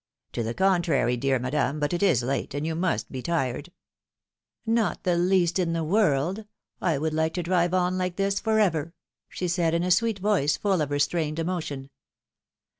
To the contrary, dear Madame ; but it is late, and you must be tired.'^ '^Not the least in the world. I would like to drive 228 philomI:ne's maeriages. on like this forever/' she said, in a sweet voice, full of restrained emotion.